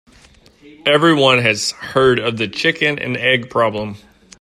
Everyone has heard of the chicken and egg problem.